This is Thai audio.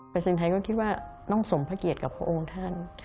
ประสิทธิ์ไทยก็คิดว่าต้องสมภเกตกับพระองค์ท่าน